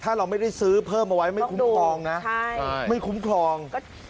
ถ้าเราไม่ได้ซื้อเพิ่มเอาไว้ไม่คุ้มครองนะไม่คุ้มครอง